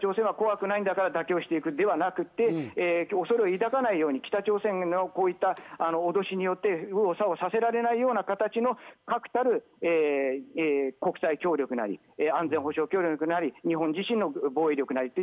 そのときに北朝鮮は怖くないんだから、妥協していくではなくて、恐れを抱かないように、北朝鮮の脅しによって右往左往させられないような形の確たる国際協力なり、安全保障協力なり、日本自身の防衛力なりと